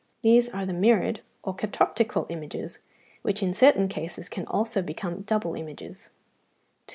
These are the mirrored, or catoptrical, images, which in certain cases can also become double images: 223.